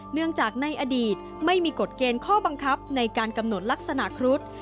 เนื่องจากในอดีตไม่มีกฎเกณฑ์ข้อบังคับในการกำหนดลักษณะครุฑ